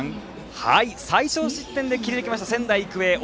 最少失点で切り抜けた仙台育英高校。